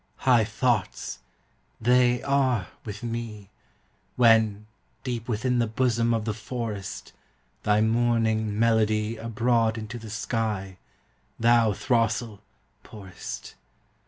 High thoughts They are with me When, deep within the bosom of the forest, Thy mourning melody Abroad into the sky, thou, throstle! pourest.